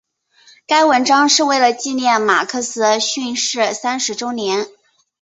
该文章是为了纪念马克思逝世三十周年。